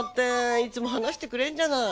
いつも話してくれるじゃない。